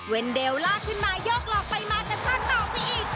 เว็นเดลลากขึ้นมายกหลอกไปมากับช่างต่อไปอีก